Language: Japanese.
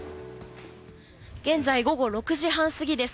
現在午後６時半過ぎです。